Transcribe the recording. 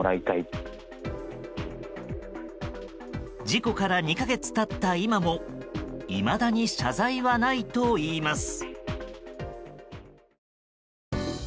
事故から２か月経った今もいまだに謝罪はないといいます。